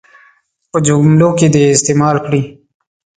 په جملو کې دې یې استعمال کړي.